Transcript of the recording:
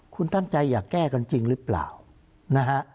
คุณตั้งใจอยากแก้กันจริงหรือเปล่านะฮะ